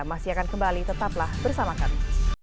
masih akan kembali tetaplah bersama kami